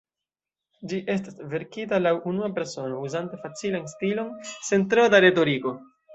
Ĝi estas verkita laŭ unua persono, uzante facilan stilon, sen tro da retoriko.